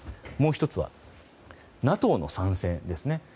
もう１つはＮＡＴＯの参戦ですね。